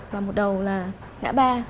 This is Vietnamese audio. và một đầu là ngã ba